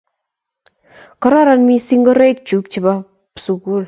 Kororon missing' ngoroik chuk che po sukul